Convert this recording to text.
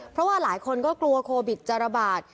เพราะว่าหลายคนก็กลัวโควิดจะระบาด